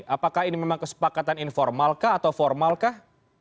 apakah ini memang kesepakatan informalkah atau formalkah